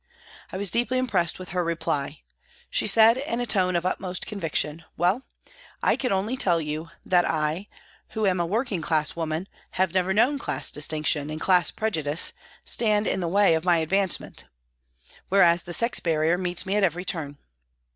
I was deeply impressed with her reply. She said, in a tone of utmost con viction :" Well, I can only tell you that I, who am a working class woman, have never known class distinction and class prejudice stand in the way of my advancement, whereas the sex barrier meets me at every turn."